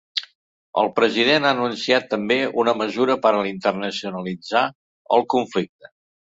El president ha anunciat també una mesura per a internacionalitzar el conflicte.